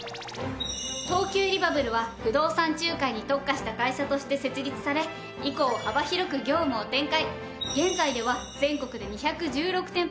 東急リバブルは不動産仲介に特化した会社として設立され以降幅広く業務を展開。